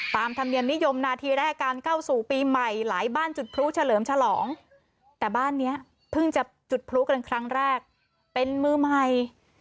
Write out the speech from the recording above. ธรรมเนียมนิยมนาทีแรกการเข้าสู่ปีใหม่หลายบ้านจุดพลุเฉลิมฉลองแต่บ้านเนี้ยเพิ่งจะจุดพลุกันครั้งแรกเป็นมือใหม่